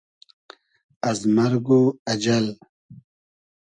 از مئرگ و اجئل